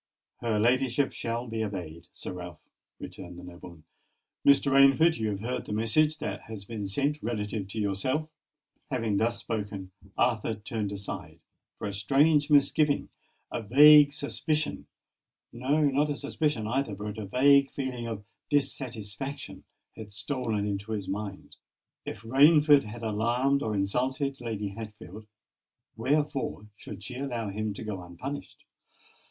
"Her ladyship shall be obeyed, Sir Ralph," returned the nobleman. "Mr. Rainford, you have heard the message that has been sent relative to yourself." Having thus spoken, Arthur turned aside;—for a strange misgiving—a vague suspicion—no, not a suspicion either,—but a feeling of dissatisfaction had stolen into his mind. If Rainford had alarmed or insulted Lady Hatfield, wherefore should she allow him to go unpunished?